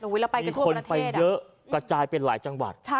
คนไปเยอะกระจายเป็นหลายจังหวัด